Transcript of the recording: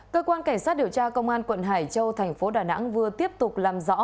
cơ quan cảnh sát điều tra công an quận hải châu thành phố đà nẵng vừa tiếp tục làm rõ